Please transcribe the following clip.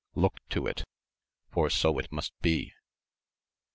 Look to it ! for so it must be.